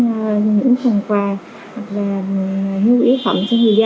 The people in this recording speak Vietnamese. hoặc là nhu yếu phẩm cho người dân